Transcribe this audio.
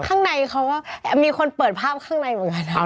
ข้างในเขาก็มีคนเปิดภาพข้างในเหมือนกัน